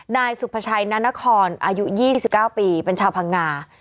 นายสุภาชัยนานครอายุ๒๙ปีเป็นชาวพังงา